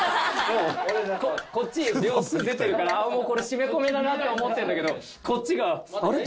こっち秒数出てるからもうこれシメコミだなとは思ってるんだけどこっちが「あれ？